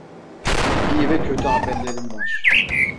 İyi ve kötü haberlerim var.